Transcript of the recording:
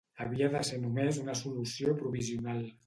Havia de ser només una solució provisional.